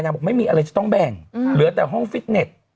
บอกไม่มีอะไรจะต้องแบ่งเหลือแต่ห้องฟิตเน็ต